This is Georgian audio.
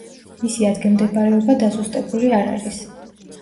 მისი ადგილმდებარეობა დაზუსტებული არ არის.